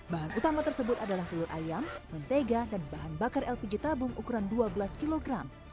bahan utama tersebut adalah telur ayam mentega dan bahan bakar lpg tabung ukuran dua belas kg